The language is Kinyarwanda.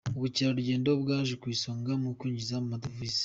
Ubukerarugendo bwaje ku isonga mu kwinjiza amadovize